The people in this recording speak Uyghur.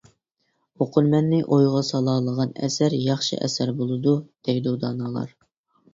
ئوقۇرمەننى ئويغا سالالىغان ئەسەر ياخشى ئەسەر بولىدۇ، دەيدۇ دانالار.